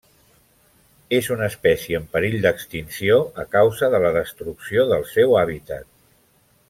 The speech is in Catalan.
És una espècie en perill d'extinció a causa de la destrucció del seu hàbitat.